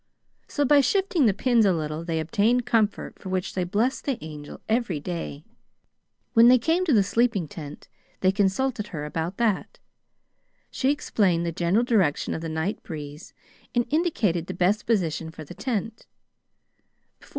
So, by shifting the pins a little, they obtained comfort for which they blessed the Angel every day. When they came to the sleeping tent, they consulted her about that. She explained the general direction of the night breeze and indicated the best position for the tent.